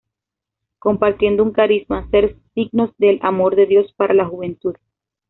Compartiendo un carisma: Ser signos del amor de Dios para la juventud.